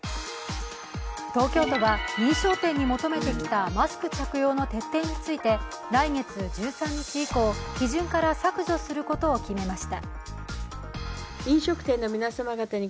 東京都は認証店に求めてきたマスク着用の徹底について来月１３日以降、基準から削除することを決めました。